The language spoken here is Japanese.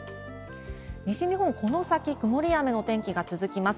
西日本、この先曇りや雨の天気が続きます。